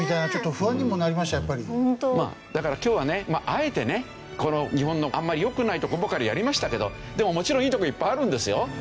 だから今日はねあえてねこの日本のあんまりよくないとこばかりやりましたけどでももちろんいいとこいっぱいあるんですよ。